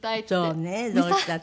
そうねどうしたってね。